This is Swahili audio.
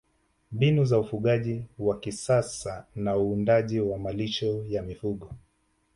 Mbinu za ufugaji wa kisasa na uandaaji wa malisho ya mifugo